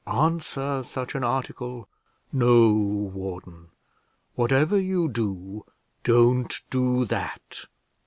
Answer such an article! No, warden; whatever you do, don't do that.